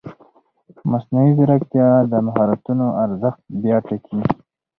مصنوعي ځیرکتیا د مهارتونو ارزښت بیا ټاکي.